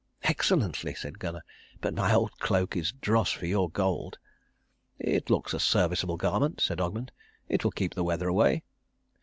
"Excellently," said Gunnar, "but my old cloak is dross for your gold." "It looks a serviceable garment," said Ogmund. "It will keep the weather away."